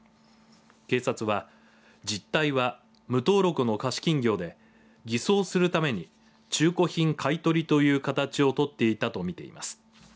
警察は、実態は無登録の貸金業で偽装するために中古品買い取りという形を取っていたと見てみます。